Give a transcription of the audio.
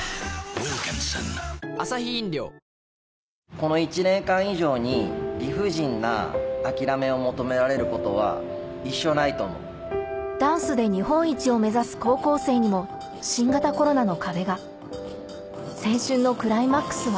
・この１年間以上に理不尽な諦めを求められることは一生ないと思う・ダンスで日本一を目指す高校生にも新型コロナの壁が青春のクライマックスは